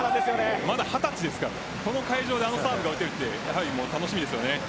まだ二十歳ですからこの会場であのサーブが打てるって楽しみですよね。